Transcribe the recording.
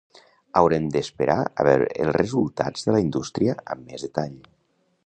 Haurem d’esperar a veure els resultats de la indústria amb més detall.